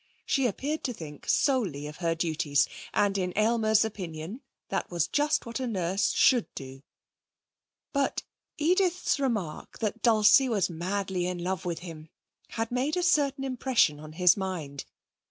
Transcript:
She appeared to think solely of her duties, and in Aylmer's opinion that was just what a nurse should do. But Edith's remark that Dulcie was madly in love with him had made a certain impression on his mind.